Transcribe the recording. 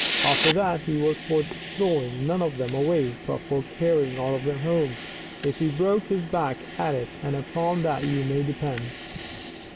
After that he was for throwing none of them away, but for carrying all of them home, if he broke his back at it, and upon that you may depend.